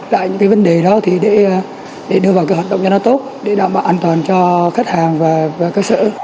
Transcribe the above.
tại những cái vấn đề đó thì để đưa vào cái hoạt động cho nó tốt để đảm bảo an toàn cho khách hàng và cơ sở